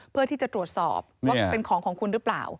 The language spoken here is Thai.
เพื่อที่จะตรวจสอบว่าเป็นของของคุณหรือเปล่า